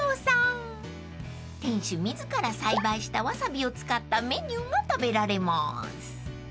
［店主自ら栽培したわさびを使ったメニューが食べられます］